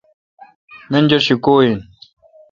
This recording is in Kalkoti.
منجر شی کو این؟